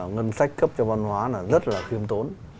ngân sách cấp cho văn hóa là rất là khiêm tốn